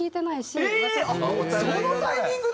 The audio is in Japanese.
あっそのタイミングで？